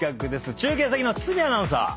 中継先の堤アナウンサー。